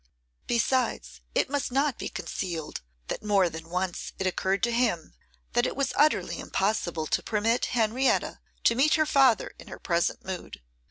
Besides, it must not be concealed that more than once it occurred to him that it was utterly impossible to permit Henrietta to meet her father in her present mood.